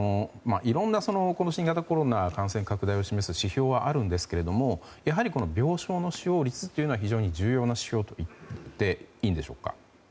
いろんな新型コロナの感染拡大を示す指標はあるんですがやはり病床使用率というのは非常に重要な指標といっていいんでしょうか。